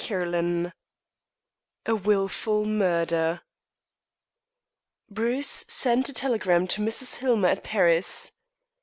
CHAPTER XXII A WILFUL MURDER Bruce sent a telegram to Mrs. Hillmer at Paris.